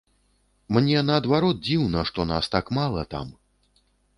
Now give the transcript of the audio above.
Мне, наадварот, дзіўна, што нас так мала там.